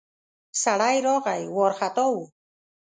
سړی راغی ، وارختا و.